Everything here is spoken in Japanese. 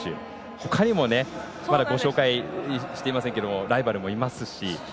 ほかにもまだご紹介していませんがライバルもいますし。